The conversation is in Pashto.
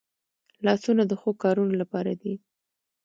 لاسونه د ښو کارونو لپاره دي